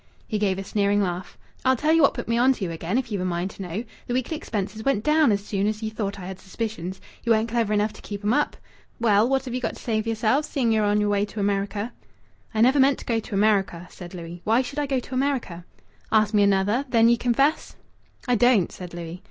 He gave a sneering laugh. "I'll tell ye what put me on to ye again, if you've a mind to know. The weekly expenses went down as soon as ye thought I had suspicions. Ye weren't clever enough to keep 'em up. Well, what have ye got to say for yeself, seeing ye are on yer way to America?" "I never meant to go to America," said Louis. "Why should I go to America?" "Ask me another. Then ye confess?" "I don't," said Louis.